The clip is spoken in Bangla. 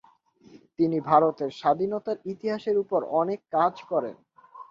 তিনি ভারতের স্বাধীনতার ইতিহাসের উপরও অনেক কাজ করেন।